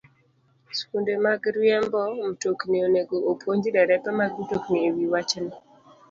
Skunde mag riembo mtokni onego opuonj derepe mag mtokni e wi wachni.